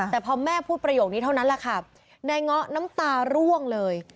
แต่พอแม่พูดประโยคนี้เท่านั้นแหละค่ะนายเงาะน้ำตาร่วงเลย